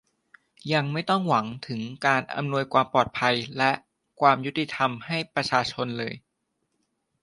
ยังไม่ต้องหวังถึงการอำนวยความปลอดภัยและความยุติธรรมให้ประชาชนเลย